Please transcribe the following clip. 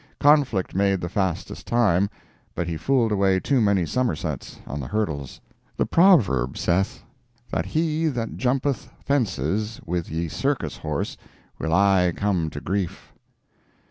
Conflict made the fastest time, but he fooled away too many summersets on the hurdles. The proverb saith that he that jumpeth fences with ye circus horse will aye come to grief.